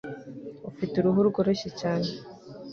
Ufite uruhu rworoshye cyane